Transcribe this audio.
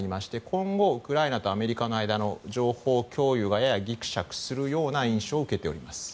今後、ウクライナとアメリカの間の情報共有がややぎくしゃくするような印象を受けております。